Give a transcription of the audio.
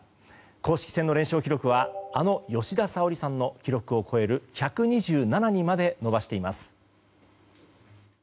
公式戦の連勝記録はあの吉田沙保里さんの記録を超える１２７にまで伸ばしています。